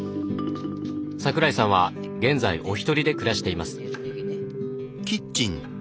桜井さんは現在お一人で暮らしています。